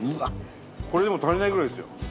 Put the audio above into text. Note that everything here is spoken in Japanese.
これでも足りないくらいですよ。